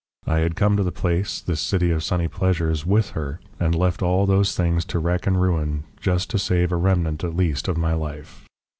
I had come to the place, this city of sunny pleasures, with her, and left all those things to wreck and ruin just to save a remnant at least of my life.